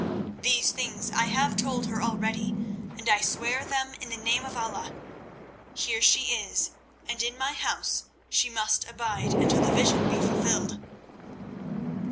These things I have told her already, and I swear them in the name of Allah. Here she is, and in my house she must abide until the vision be fulfilled."